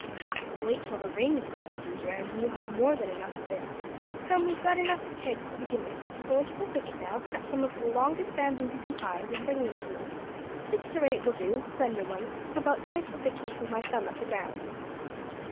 "Ha! Wait till the rainy season comes round, and you'll have more than enough of it. Come, we've got enough of pegs to begin with. Go into the thicket now; cut some of the longest bamboos you can find, and bring them to me; six or eight will do slender ones, about twice the thickness of my thumb at the ground."